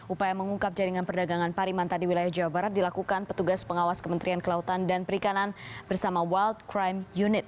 upaya mengungkap jaringan perdagangan parimanta di wilayah jawa barat dilakukan petugas pengawas kementerian kelautan dan perikanan bersama world crime unit